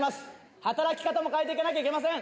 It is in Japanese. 働き方も変えていかなきゃいけません。